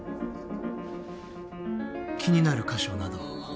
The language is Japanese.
気になる箇所など。